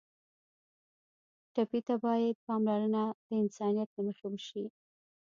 ټپي ته باید پاملرنه د انسانیت له مخې وشي.